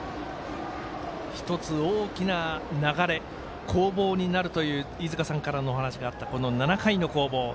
１つ、大きな流れ攻防になるという飯塚さんからのお話があった７回の攻防。